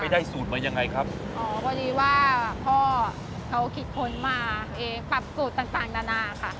ได้สูตรมายังไงครับอ๋อพอดีว่าพ่อเขาคิดค้นมาเองปรับสูตรต่างต่างนานาค่ะ